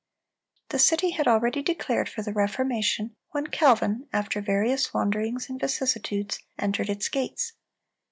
The city had already declared for the Reformation, when Calvin, after various wanderings and vicissitudes, entered its gates.